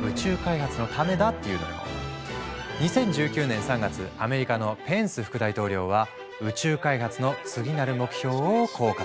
２０１９年３月アメリカのペンス副大統領は宇宙開発の次なる目標をこう語った。